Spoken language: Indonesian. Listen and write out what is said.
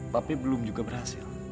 tapi belum juga berhasil